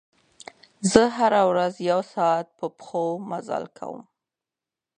زه هره ورځ یو ساعت په پښو مزل کوم.